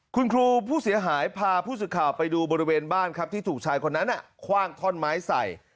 คุณครูผู้เสียหายพาผู้สื่อข่าวไปดูบริเวณบ้านครับที่ถูกชายคนนั้นคว่างท่อนไม้ใส่